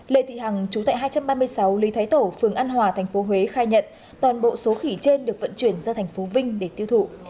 lê thị hằng chú tại hai trăm ba mươi sáu lý thái tổ phường an hòa tp huế khai nhận toàn bộ số khỉ trên được vận chuyển ra thành phố vinh để tiêu thụ